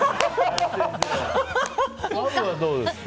アブはどうですか？